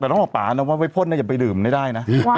แต่ต้องเปล่าป๋านะไว่พ่นนะอย่าไปดื่มได้